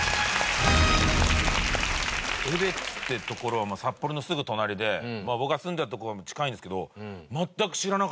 江別って所は札幌のすぐ隣で僕が住んでた所も近いんですけど全く知らなかったですね